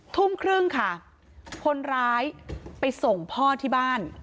ทุ่มครึ่งค่ะคนร้ายไปส่งพ่อที่บ้าน